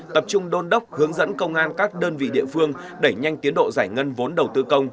tập trung đôn đốc hướng dẫn công an các đơn vị địa phương đẩy nhanh tiến độ giải ngân vốn đầu tư công